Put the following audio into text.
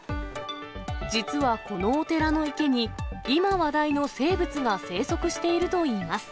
実はこのお寺の池に、今話題の生物が生息しているといいます。